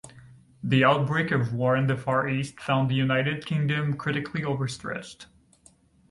The outbreak of war in the Far East found the United Kingdom critically overstretched.